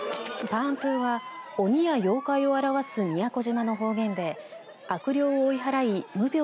パーントゥは鬼や妖怪を表す宮古島の方言で悪霊を追い払い無病